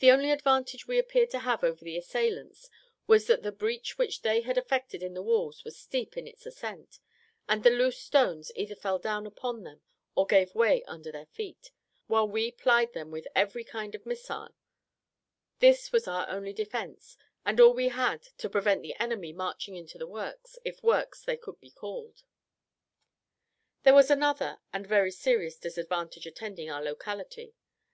The only advantage we appeared to have over the assailants was that the breach which they had effected in the walls was steep in its ascent, and the loose stones either fell down upon them, or gave way under their feet, while we plied them with every kind of missile: this was our only defence, and all we had to prevent the enemy marching into the works, if works they could be called. There was another and very serious disadvantage attending our locality.